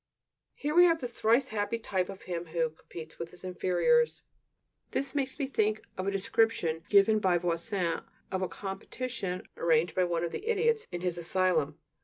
Here we have the thrice happy type of him who competes with his inferiors! This makes me think of a description given by Voisin of a competition arranged by one of the idiots in his asylum.